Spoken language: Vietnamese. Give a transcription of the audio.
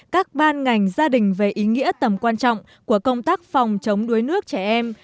các ban ngành gia đình về ý nghĩa tầm quan trọng của công tác phòng chống đuối nước trẻ em